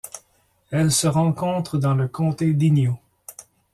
Elle se rencontre dans le comté d'Inyo.